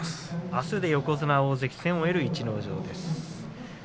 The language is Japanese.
あすで横綱大関戦を終える逸ノ城です。